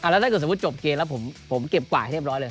แล้วถ้าเกิดสมมุติจบเกมแล้วผมเก็บกวาดให้เรียบร้อยเลย